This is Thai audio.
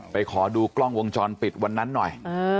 ขอดูกล้องวงจรปิดวันนั้นหน่อย